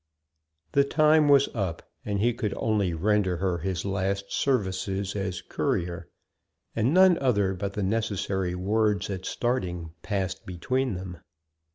The time was up, and he could only render her his last services as "courier," and none other but the necessary words at starting passed between them.